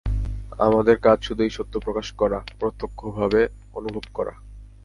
আমাদের কাজ শুধু এই সত্য প্রকাশ করা, প্রত্যক্ষভাবে অনুভব করা।